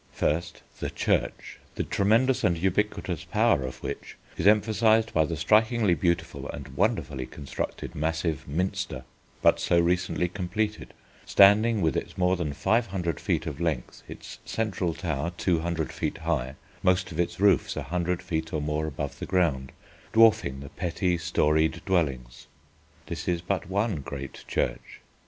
First, the Church, the tremendous and ubiquitous power of which is emphasised by the strikingly beautiful and wonderfully constructed massive Minster, but so recently completed, standing, with its more than five hundred feet of length, its central tower two hundred feet high, most of its roofs a hundred feet or more above the ground, dwarfing the petty, storied dwellings. This is but one great church.